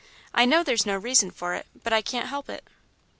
I know there's no reason for it, but I can't help it."